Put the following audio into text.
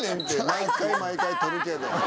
毎回毎回撮るけど。